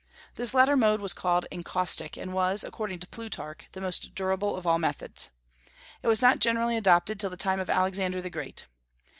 This latter mode was called encaustic, and was, according to Plutarch, the most durable of all methods. It was not generally adopted till the time of Alexander the Great.